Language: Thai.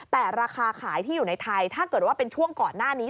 แต่ราคาขายที่อยู่ในไทยถ้าเกิดว่าเป็นช่วงก่อนหน้านี้